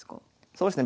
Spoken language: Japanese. そうですね。